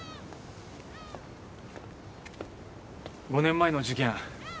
５年前の事件